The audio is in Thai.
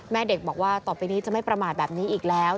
แม่เด็กบอกว่าต่อไปนี้จะไม่ประมาทแบบนี้อีกแล้ว